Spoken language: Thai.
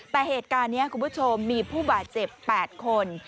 แต่เหตุการณ์นี้คุณผู้ชมมีผู้บาดเจ็บ๘คน